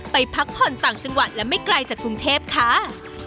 พักผ่อนต่างจังหวัดและไม่ไกลจากกรุงเทพค่ะ